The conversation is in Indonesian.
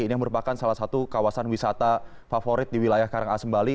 ini merupakan salah satu kawasan wisata favorit di wilayah karangasem bali